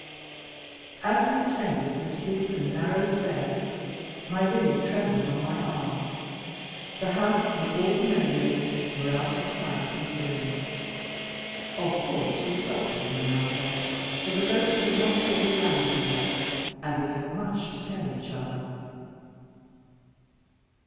As we descended the steep and narrow stairs, my Lily trembled on my arm. The house and all the merry makers were out of sight and hearing. Of course we stopped every now and then, for the boat could not be at the landing yet, and we had much to tell each other.